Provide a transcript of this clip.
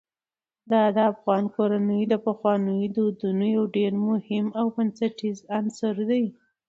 دا د افغان کورنیو د پخوانیو دودونو یو ډېر مهم او بنسټیز عنصر دی.